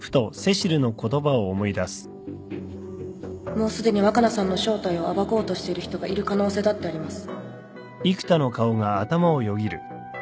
もうすでに若菜さんの正体を暴こうとしている人がいる可能性だってあります